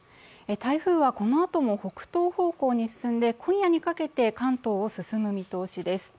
台風はこのあとも北東方向に進んで今夜にかけて関東を進む見通しです。